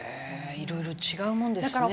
いろいろ違うものですね。